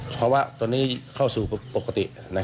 เพราะว่าตอนนี้เข้าสู่ปกติ